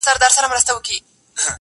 زيرى د ژوند,